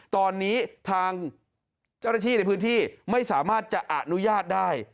ตอนนี้ทางเจ้าหน้าที่ในพื้นที่ไม่สามารถจะอนุญาตได้